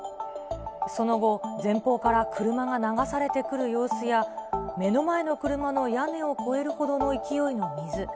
その後、前方から車が流されてくる様子や、目の前の車の屋根を越えるほどの勢いの水。